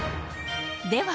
では